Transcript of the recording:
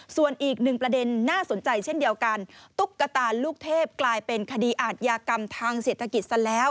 ส่วนอีกหนึ่งประเด็นน่าสนใจเช่นเดียวกันตุ๊กตาลูกเทพกลายเป็นคดีอาทยากรรมทางเศรษฐกิจซะแล้ว